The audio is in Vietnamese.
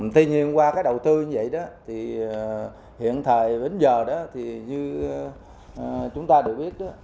tuy nhiên qua cái đầu tư như vậy đó hiện thời đến giờ thì như chúng ta đều biết